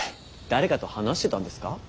誰かと話してたんですか？